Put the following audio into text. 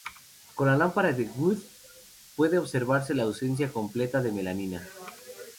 Con la lámpara de Wood puede observarse la ausencia completa de melanina.